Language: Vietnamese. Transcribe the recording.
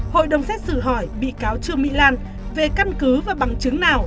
hội đồng xét xử hỏi bị cáo trương mỹ lan về căn cứ và bằng chứng nào